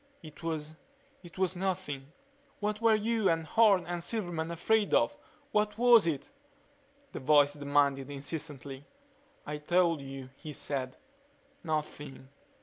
"It was it was Nothing." "What were you and Horne and Silverman afraid of what was it?" the voice demanded insistently. "I told you," he said. "Nothing."